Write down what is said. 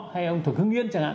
hay ông thuộc hưng yên chẳng hạn